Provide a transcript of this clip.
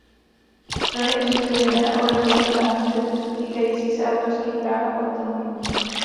Strany usilují zejména o reformu právních předpisů týkajících se autorských práv a patentů.